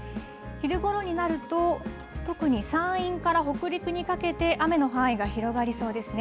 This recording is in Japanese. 昼ごろになると、特に山陰から北陸にかけて、雨の範囲が広がりそうですね。